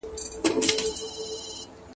درملنې لپاره کوم طبیبان راغوښتل سوي وو؟